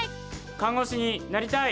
看護師になりたい！